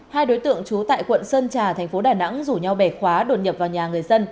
hai đối tượng trú tại quận sơn trà thành phố đà nẵng rủ nhau bẻ khóa đột nhập vào nhà người dân